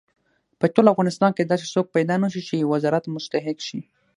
په ټول افغانستان کې داسې څوک پیدا نه شو چې د وزارت مستحق شي.